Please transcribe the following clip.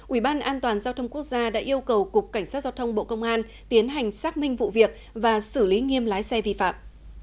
ubnd đã yêu cầu cục cảnh sát giao thông bộ công an tiến hành xác minh vụ việc và xử lý nghiêm lái xe vi phạm